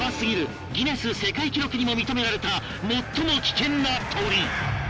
ギネス世界記録にも認められた最も危険な鳥